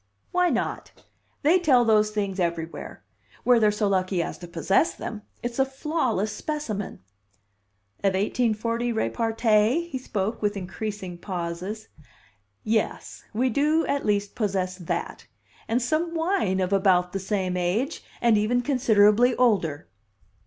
"Why not? They tell those things everywhere where they're so lucky as to possess them! It's a flawless specimen." "Of 1840 repartee?" He spoke with increasing pauses. "Yes. We do at least possess that. And some wine of about the same date and even considerably older."